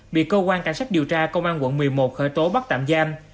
bị cơ quan cảnh sát điều tra công an quận một mươi một khởi tố bắt tạm giam